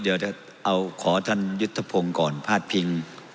เดี๋ยวเอาขอท่านยุทธพงศ์ก่อนพาดพิง